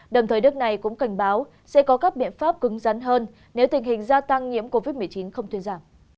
đồng thời nước này cũng cảnh báo sẽ có các biện pháp cứng rắn hơn nếu tình hình gia tăng nhiễm covid một mươi chín không thuyên giảm